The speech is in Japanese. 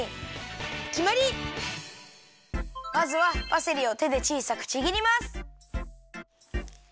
まずはパセリをてでちいさくちぎります。